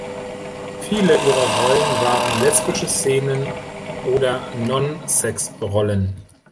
Viele ihrer Rollen waren lesbische Szenen oder Non-Sex-Rollen.